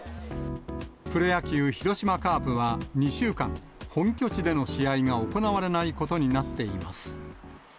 プロ野球・広島カープは、２週間、本拠地での試合が行われないことになっています。